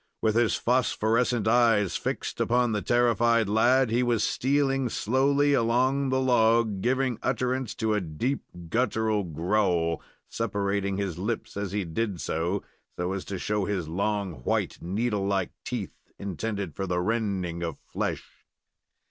With his phosphorescent eyes fixed upon the terrified lad, he was stealing slowly along the log, giving utterance to a deep guttural growl, separating his lips as he did so, so as to show his long, white, needle like teeth, intended for the rending of flesh.